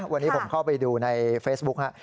วันนี้ผมเข้าไปดูในเฟซบุ๊คครับ